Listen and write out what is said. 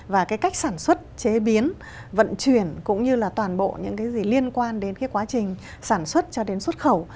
và cách sản xuất chế biến vận chuyển cũng như là toàn bộ những gì liên quan đến quá trình sản xuất cho đến xuất khẩu